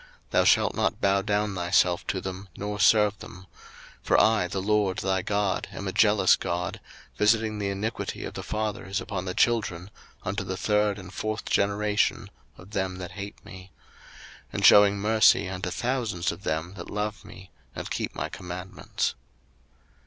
02:020:005 Thou shalt not bow down thyself to them, nor serve them: for I the LORD thy God am a jealous God, visiting the iniquity of the fathers upon the children unto the third and fourth generation of them that hate me; 02:020:006 And shewing mercy unto thousands of them that love me, and keep my commandments.